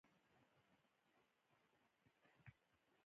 د افغانستان بیلتون د تباهۍ لامل دی